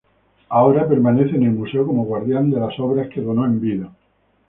Ahora permanece en el museo como guardián de las obras que donó en vida.